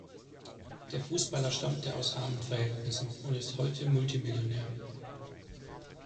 Der Fußballer stammte aus armen Verhältnissen und ist heute Multimillionär.